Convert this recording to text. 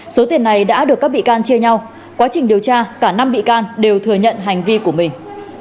số tiền này đã được các bị can chia nhau quá trình điều tra cả năm bị can đều thừa nhận hành vi của mình